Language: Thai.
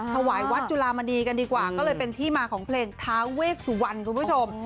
ถวายวัดจุลามณีกันดีกว่าก็เลยเป็นที่มาของเพลงท้าเวชสุวรรณคุณผู้ชม